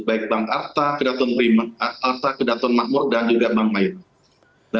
baik bank arta kedaton mahmur dan juga bank mayura